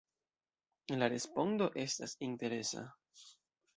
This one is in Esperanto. La respondo estas interesa.